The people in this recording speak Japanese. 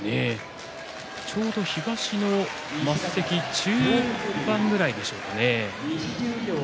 ちょうど東の升席中段くらいですかね。